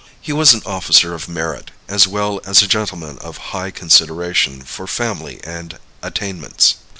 He was an officer of merit, as well as a gentleman of high consideration for family and attainments.